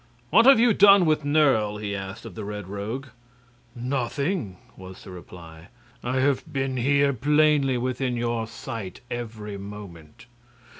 "What have you done with Nerle?" he asked of the Red Rogue. "Nothing," was the reply. "I have been here, plainly within your sight, every moment."